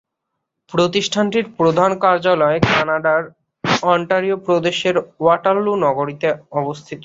প্রতিষ্ঠানটির প্রধান কার্যালয় কানাডার অন্টারিও প্রদেশের ওয়াটারলু নগরীতে অবস্থিত।